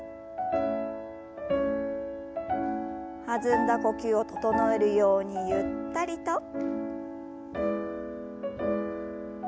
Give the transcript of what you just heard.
弾んだ呼吸を整えるようにゆったりと。